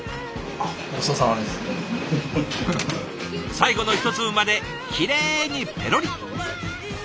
最後の一粒まできれいにペロリ。